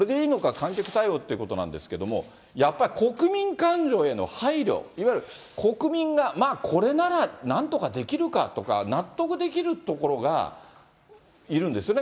観客対応ということなんですけれども、やっぱり国民感情への配慮、いわゆる国民がこれならなんとかできるかとか、納得できるところがいるんですよね。